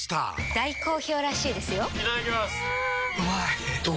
大好評らしいですよんうまい！